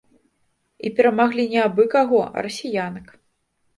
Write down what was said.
І перамаглі не абы-каго, а расіянак.